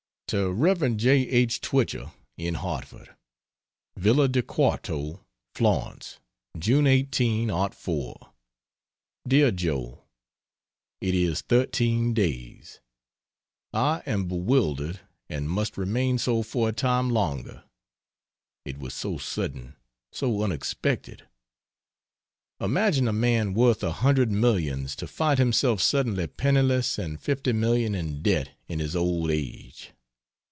C. To Rev. J. R. Twichell, in Hartford: VILLA DI QUARTO, FLORENCE, June 18, '04. DEAR JOE, It is 13 days. I am bewildered and must remain so for a time longer. It was so sudden, so unexpected. Imagine a man worth a hundred millions who finds himself suddenly penniless and fifty million in debt in his old age.